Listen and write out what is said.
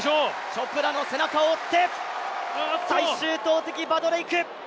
チョプラの背中を追って、最終投てき、バドレイク。